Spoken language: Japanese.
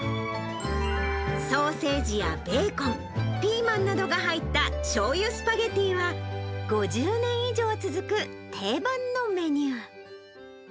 ソーセージやベーコン、ピーマンなどが入ったしょうゆスパゲティは、５０年以上続く定番のメニュー。